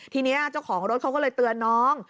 ทีนี้เจ้าของรถเขาก็เลยเตือนน้อง